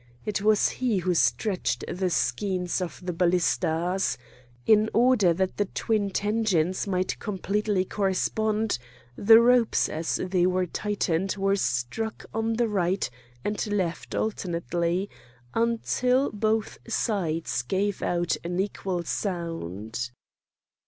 It was he who stretched the skeins of the ballistas. In order that the twin tensions might completely correspond, the ropes as they were tightened were struck on the right and left alternately until both sides gave out an equal sound.